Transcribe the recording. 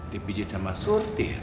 dipijit sama surti